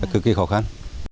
cực kỳ khó khăn